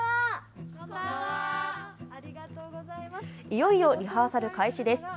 いよいよリハーサル開始です。